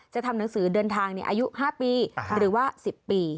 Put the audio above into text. ทำหนังสือเดินทางอายุ๕ปีหรือว่า๑๐ปี